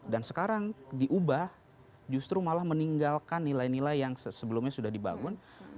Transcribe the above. dan sekarang diubah justru malah meninggalkan nilai nilai yang sebelumnya sudah dibangun